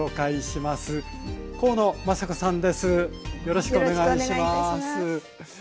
よろしくお願いします。